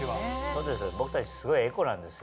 僕たちすごいエコなんですよ。